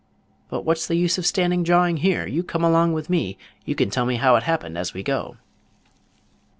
But what's the use of standing jawing here? You come along with me; you can tell me how it happened as we go."